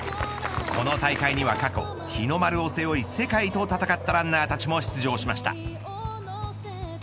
この大会には過去日の丸を背負い世界と戦ったランナーたちも出場しました。